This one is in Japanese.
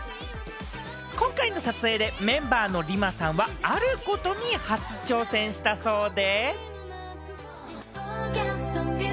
今回の撮影でメンバーのＲＩＭＡさんはあることに初挑戦したそうで。